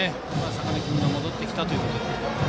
坂根君が戻ってきたということで。